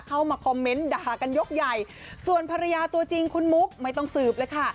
เข้ามาคอมเมนต์ด่ากันยกใหญ่ส่วนภรรยาตัวจริงคุณมุกไม่ต้องสืบเลยค่ะ